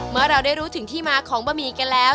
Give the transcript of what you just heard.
เมื่อเราได้รู้ถึงที่มาของบะหมี่กันแล้ว